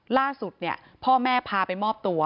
ล่าสุดพ่อแม่พาไปมอบตัว